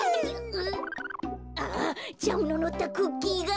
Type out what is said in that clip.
あっジャムののったクッキーが。